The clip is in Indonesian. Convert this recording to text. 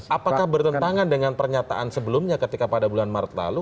apakah bertentangan dengan pernyataan sebelumnya ketika pada bulan maret lalu